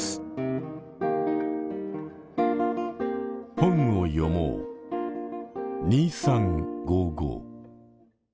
本を読もう「２３」。